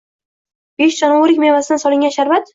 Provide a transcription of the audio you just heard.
Besh dona o'rik mevasidan olingan sharbat.